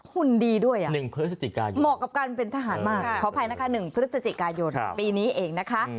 หุ่นดีด้วย๑พฤศจิกายนเหมาะกับการเป็นทหารมากขออภัยนะคะ๑พฤศจิกายนปีนี้เองนะคะ